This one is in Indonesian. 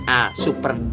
ah super dad